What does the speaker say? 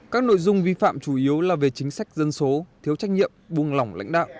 các nội dung vi phạm chủ yếu là về chính sách dân số thiếu trách nhiệm buông lỏng lãnh đạo